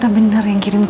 ternyata benar yang kirimku